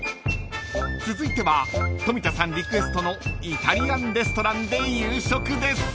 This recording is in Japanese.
［続いては富田さんリクエストのイタリアンレストランで夕食です］